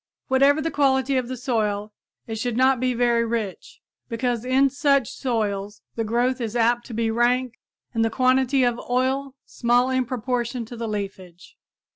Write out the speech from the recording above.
Whatever the quality of the soil, it should not be very rich, because in such soils the growth is apt to be rank and the quantity of oil small in proportion to the leafage.